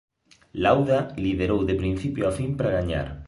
Lauda liderou de principio a fin para gañar.